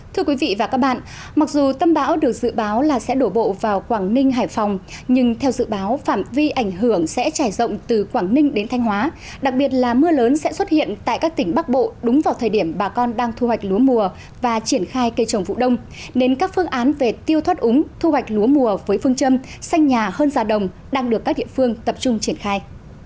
thưa quý vị và các bạn mặc dù tâm bão được dự báo là sẽ đổ bộ vào quảng ninh hải phòng nhưng theo dự báo phạm vi ảnh hưởng sẽ trải rộng từ quảng ninh đến thanh hóa đặc biệt là mưa lớn sẽ xuất hiện tại các tỉnh bắc bộ đúng vào thời điểm bà con đang thu hoạch lúa mùa và triển khai cây trồng vụ đông nên các phương án về tiêu thoát úng thu hoạch lúa mùa với phương châm xanh nhà hơn già đồng đang được các địa phương tập trung triển khai